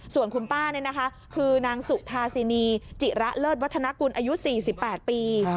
ส่วนคุณป้านี่นะคะคือนางสุธาสินีจิระเลิศวัฒนากุลอายุ๔๘ปี